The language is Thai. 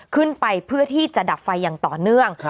เพื่อที่จะดับไฟอย่างต่อเนื่อง